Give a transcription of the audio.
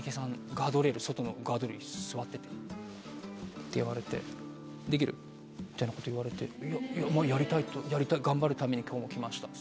ガードレール外のガードレールに座ってて。って呼ばれて「できる？」みたいなこと言われて「やりたい頑張るために今日も来ました」っつって。